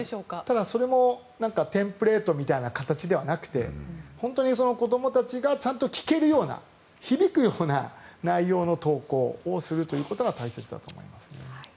ただ、それもテンプレートみたいな形ではなく本当に子どもたちがちゃんと聞けるような響くような内容の投稿をするということが大切だと思います。